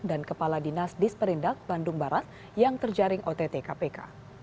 dan kepala dinas disperindak bandung barat yang terjaring ott kpk